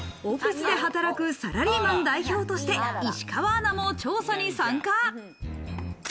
オフィスで働くサラリーマン代表として石川アナも調査に参加。